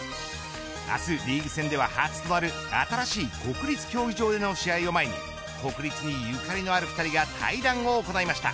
明日リーグ戦では初となる新しい国立競技場での試合を前に国立にゆかりのある２人が対談を行いました。